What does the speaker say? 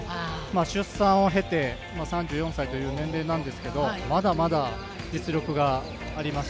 出産を経て３４歳という年齢なんですけれど、まだまだ実力があります。